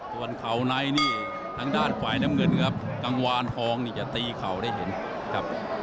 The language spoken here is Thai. ส่วนเข่าในนี่ทางด้านฝ่ายน้ำเงินครับกังวานทองนี่จะตีเข่าได้เห็นครับ